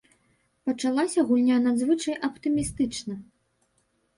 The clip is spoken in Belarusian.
Пачалася гульня надзвычай аптымістычна.